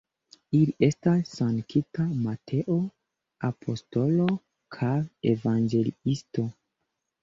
Ili estas Sankta Mateo apostolo kaj evangeliisto.